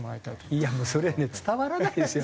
いやもうそれね伝わらないですよ。